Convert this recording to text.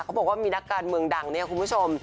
เขาบอกว่ามีนักการเมืองดังเนี่ยคุณผู้ชม